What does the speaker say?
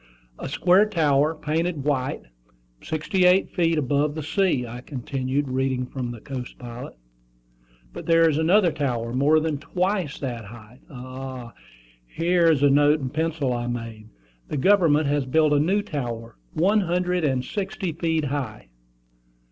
"'A square tower, painted white, sixty eight feet above the sea,'" I continued, reading from the Coast Pilot. "But there is another tower, more than twice that height. Ah, here is a note in pencil I made: 'The government has built a new tower, one hundred and sixty feet high.'"